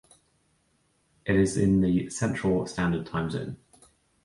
It is in the Central Standard Time Zone.